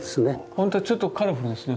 ほんとちょっとカラフルですね。